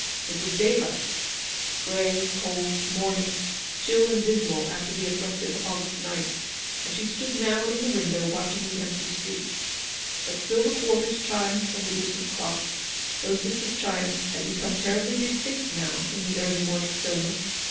It was daylight,— grey, cold, morning, chill and dismal after the oppressive August night, and she stood now in the window watching the empty street. But still the quarters chimed from the distant clocks : those distant chimes had become terribly distinct now in the early morning stillness.